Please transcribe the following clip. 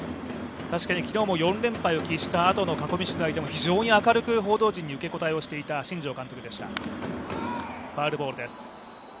確かに昨日も４連敗を喫したあとの囲み取材でも非常に明るく報道陣に受け答えをしていた新庄監督でした。